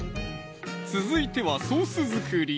続いてはソース作り